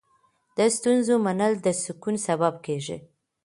د ستونزو منل د سکون سبب کېږي.